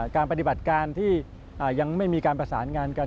ปฏิบัติการที่ยังไม่มีการประสานงานกัน